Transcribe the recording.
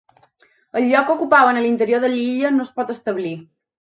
El lloc que ocupaven a l'interior de l'illa no es pot establir.